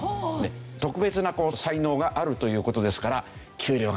特別な才能があるという事ですから。